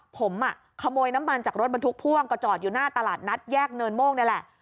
ผมขโมยน้ำมันจากรถบรรทุกพ่วงก็จอดอยู่หน้าตลาดนัดแยกเนินโมกนี่แหละ